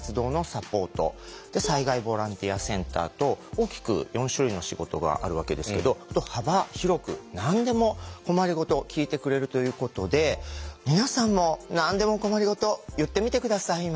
大きく４種類の仕事があるわけですけど幅広く何でも困りごとを聞いてくれるということで皆さんも何でも困りごと言ってみて下さい今。